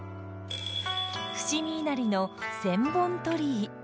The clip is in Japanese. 伏見稲荷の千本鳥居。